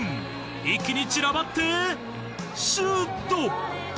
一気に散らばってシュート！